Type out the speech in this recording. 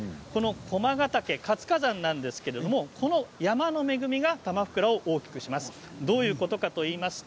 この駒ヶ岳、活火山なんですがこの山の恵みがたまふくらを大きくします。